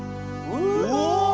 うわ。